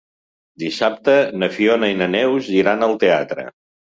Dissabte na Fiona i na Neus iran al teatre.